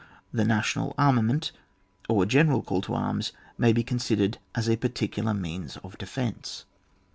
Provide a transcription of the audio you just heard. — The Natumal Armament, or general call to arms, may be considered as a particular means of defence.